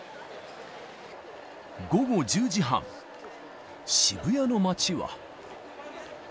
午後１０時半、渋谷の街は。